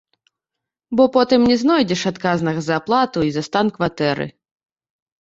Бо потым не знойдзеш адказнага за аплату і за стан кватэры.